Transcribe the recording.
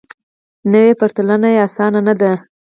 نو پرتلنه یې اسانه نه ده